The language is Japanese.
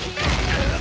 うっ！